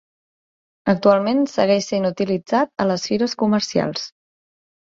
Actualment segueix sent utilitzat a les fires comercials.